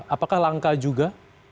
apakah langka juga